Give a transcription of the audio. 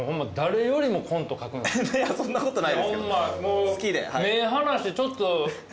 そんなことないですけど好きで。